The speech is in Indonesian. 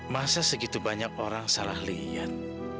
masa segitu banyak orang salah liyan